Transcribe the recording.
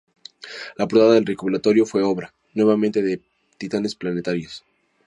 La portada del recopilatorio fue obra, nuevamente, de Titanes Planetarios.